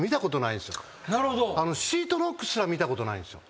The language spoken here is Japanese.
シートノックすら見たことないんですよ。